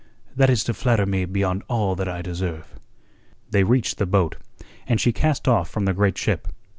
"That is to flatter me beyond all that I deserve." They reached the boat; and she cast off from the great ship.